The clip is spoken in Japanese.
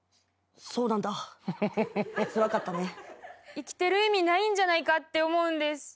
生きてる意味ないんじゃないかって思うんです。